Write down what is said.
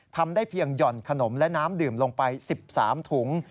ทำได้เพียงห่อนขนมและน้ำดื่มลงไป๑๓ถุง